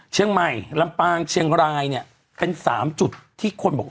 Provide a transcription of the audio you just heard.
เชียงใหม่ลำปางเชียงรายเนี่ยเป็น๓จุดที่คนบอก